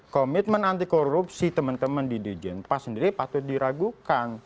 komitmen anti korupsi teman teman di dijenpas sendiri patut diragukan